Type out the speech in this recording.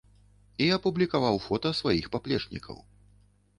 І апублікаваў фота сваіх паплечнікаў.